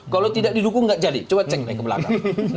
kalau tidak didukung nggak jadi coba cek ke belakang